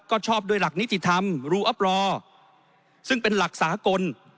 ก็ชอบด้วยหลักนิติธรรมรูอัปรอซึ่งเป็นหลักสากล